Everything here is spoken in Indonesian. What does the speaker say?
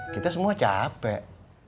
kita semua capek